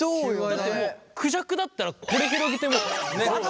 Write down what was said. だってもうクジャクだったらこれ広げてもう。